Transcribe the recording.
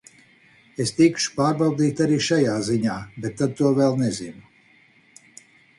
Es tikšu pārbaudīta arī šajā ziņā, bet tad to vēl nezinu.